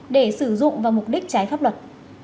để sử dụng vào mục đích trái pháp luật